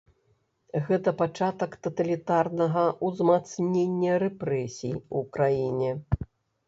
Гэта пачатак таталітарнага ўзмацнення рэпрэсій у краіне.